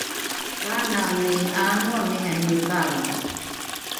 kanani ’aanoami’ani valro?